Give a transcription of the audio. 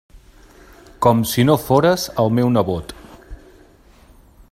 Com si no fores el meu nebot.